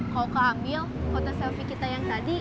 kalau keambil foto selfie kita yang tadi